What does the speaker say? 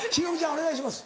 お願いします。